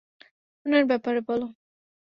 ওনার ব্যাপারে বলো।